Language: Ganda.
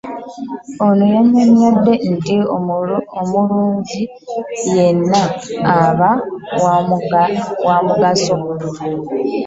Ono yannyonnyodde nti omulunzi yenna aba wa mugaso